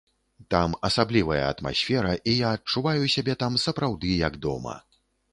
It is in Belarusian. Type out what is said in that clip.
Там асаблівая атмасфера, і я адчуваю сябе там сапраўды як дома.